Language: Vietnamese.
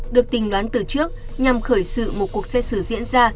được tình đoán từ trước nhằm khởi sự một cuộc xét xử diễn ra